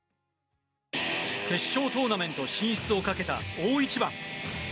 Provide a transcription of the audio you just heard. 決勝トーナメント進出をかけた大一番。